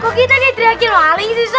kok kita kayak teriakir waling sih sob